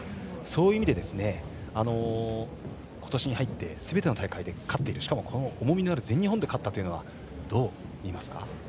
そういう意味で今年に入ってすべての大会で勝っているしかも重みのある全日本で勝ったというのはどう見ますか。